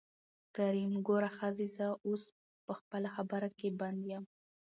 کريم : ګوره ښځې زه اوس په خپله خبره کې بند يم.